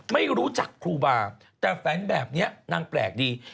ไม่รู้จักครูบาแต่แฝงแบบนี้นางแปลกดี